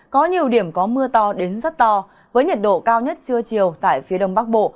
có nhiều điểm có mưa to đến rất to với nhiệt độ cao nhất trưa chiều tại phía đông bắc bộ